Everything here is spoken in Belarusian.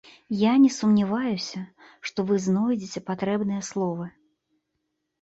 Я не сумняваюся, што вы знойдзеце патрэбныя словы.